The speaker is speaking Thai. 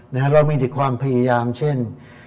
นะฮะเรามีความพยายามเช่น